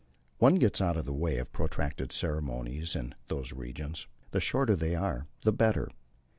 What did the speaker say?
One gets out of the way of protracted ceremonies in those regions the shorter they are the better.